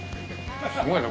すごいな。